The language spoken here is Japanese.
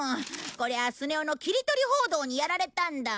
こりゃスネ夫の切り取り報道にやられたんだ。